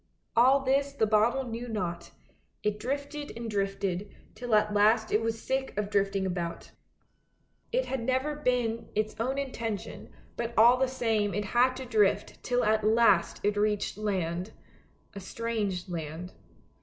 All this the bottle knew not; it drifted and drifted, till at last it was sick of drifting about; it had never 88 ANDERSEN'S FAIRY TALES been its own intention, but all the same it had to drift till at last it reached land — a strange land.